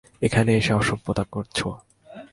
এখানে এসে অসভ্যতা করছো।